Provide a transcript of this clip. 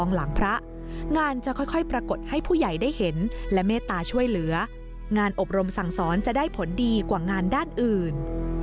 ให้ผู้ใหญ่ได้เห็นและเมตตาช่วยเหลืองานอบรมสั่งสอนจะได้ผลดีกว่างานด้านอื่น